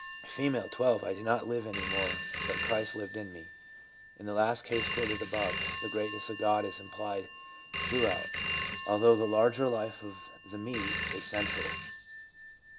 R, 12. 'I did not live any more, but Christ lived in me/ In the last case quoted above, the greatness of God is implied throughout, although the larger life of the ' me ' is central.